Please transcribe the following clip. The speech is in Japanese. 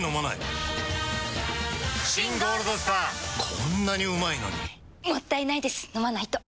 こんなにうまいのにもったいないです、飲まないと。